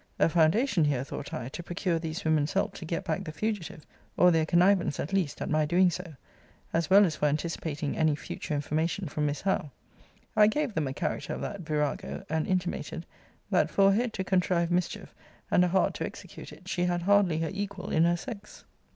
A foundation here, thought I, to procure these women's help to get back the fugitive, or their connivance, at least, at my doing so; as well as for anticipating any future information from Miss Howe. I gave them a character of that virago; and intimated, 'that for a head to contrive mischief, and a heart to execute it, she had hardly her equal in her sex.'